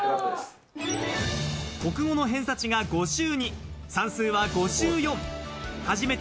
国語の偏差値が５２、算数は５４。